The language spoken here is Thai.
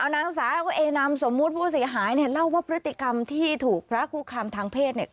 นางสาวเอนามสมมุติผู้เสียหายเนี่ยเล่าว่าพฤติกรรมที่ถูกพระคุกคามทางเพศเนี่ย